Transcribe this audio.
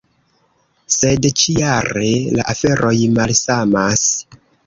Sed ĉi-jare la aferoj malsamas.